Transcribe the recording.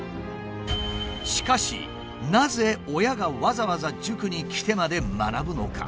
しかしなぜ親がわざわざ塾に来てまで学ぶのか？